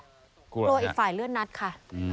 กลัวอีกฝ่ายเลื่อนนัดค่ะ